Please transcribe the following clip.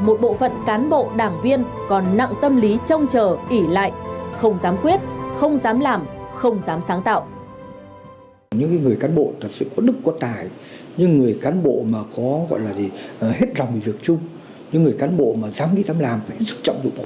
một việc chung những người cán bộ mà dám nghĩ dám làm hết sức trọng đủ bộ